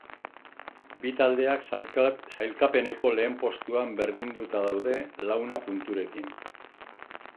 Bi taldeak sailkapeneko lehen postuan berdinduta daude launa punturekin.